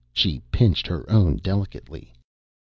She pinched her own delicately.